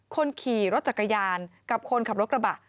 คนขี่รถจักรยานกับคนขับรถกระบะ